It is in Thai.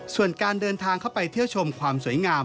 ส่วนการเดินทางเข้าไปเที่ยวชมความสวยงาม